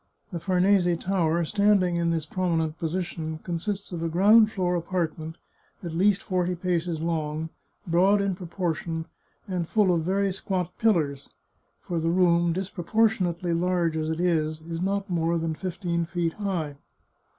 The Farnese Tower, standing in this prominent position, consists of a ground floor apartment, at least forty paces long, broad in proportion, and full of very squat pillars, for the room, disproportionately large as it is, is not more than fifteen feet high.